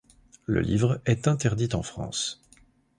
Le livre est interdit en France.